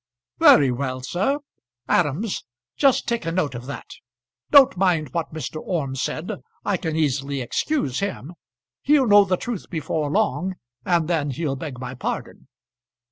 "Very well, sir. Adams, just take a note of that. Don't mind what Mr. Orme said. I can easily excuse him. He'll know the truth before long, and then he'll beg my pardon."